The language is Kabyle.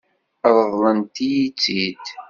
Ṛeḍlent-iyi-tt-id?